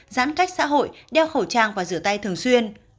giãn cách xã hội đeo khẩu trang và rửa tay thường xuyên